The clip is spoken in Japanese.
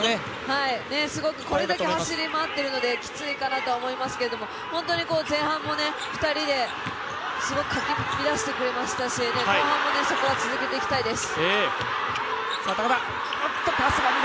これだけ走り回ってるのできついかなと思いますけど本当に前半も２人ですごくかき乱してくれましたし、後半もそこは続けていきたいです。